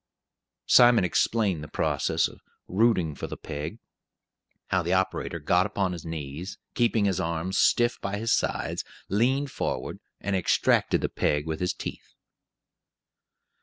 Simon explained the process of rooting for the peg: how the operator got upon his knees, keeping his arms stiff by his sides, leaned forward, and extracted the peg with his teeth.